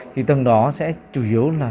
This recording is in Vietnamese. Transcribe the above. thì tầng đó sẽ chủ yếu là